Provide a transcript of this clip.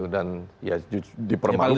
dan ya dipermalukan